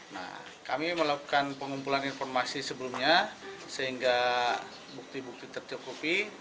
nah kami melakukan pengumpulan informasi sebelumnya sehingga bukti bukti tercukupi